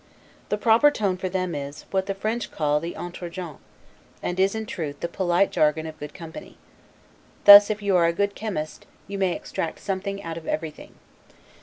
The proper tone for them is, what the French call the 'Entregent', and is, in truth, the polite jargon of good company. Thus, if you are a good chemist, you may extract something out of everything.